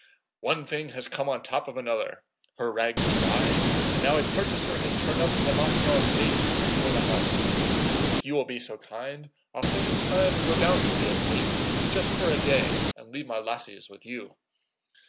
"One thing has come on top of another: her rags to buy, and now a purchaser has turned up for the Moscow estate and for the house. If you will be so kind, I'll fix a time and go down to the estate just for a day, and leave my lassies with you."